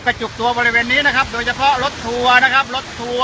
จุกตัวบริเวณนี้นะครับโดยเฉพาะรถทัวร์นะครับรถทัวร์